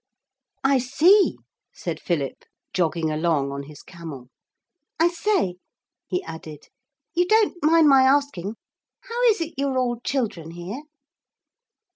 'I see,' said Philip, jogging along on his camel. 'I say,' he added, 'you don't mind my asking how is it you're all children here?'